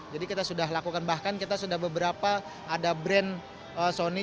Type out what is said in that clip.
kita sudah lakukan bahkan kita sudah beberapa ada brand sony